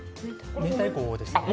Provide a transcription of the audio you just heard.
明太子です。